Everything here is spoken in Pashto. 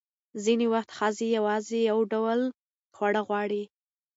ځینې وخت ښځې یوازې یو ډول خواړه غواړي.